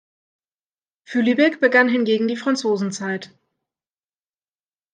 Für Lübeck begann hingegen die Franzosenzeit.